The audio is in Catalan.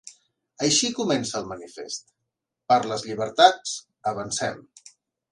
Així comença el manifest ‘Per les llibertats, avancem!’.